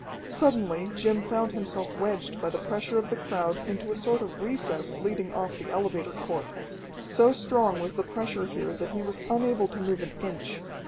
Suddenly Jim found himself wedged by the pressure of the crowd into a sort of recess leading off the elevator court. So strong was the pressure here that he was unable to move an inch.